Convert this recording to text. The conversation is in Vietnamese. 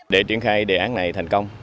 để triển khai đề án này thành công